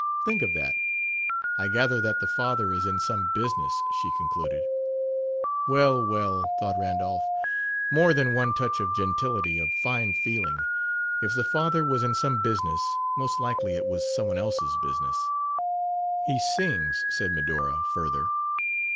Think of that! I gather that the father is in some business," she concluded. "Well, well," thought Randolph; "more than one touch of gentility, of fine feeling." If the father was in "some business," most likely it was some one else's business. "He sings," said Medora, further.